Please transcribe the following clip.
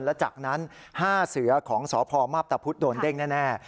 และจากนั้น๕เสือของสพมาพตะพุธโดนเด้งแน่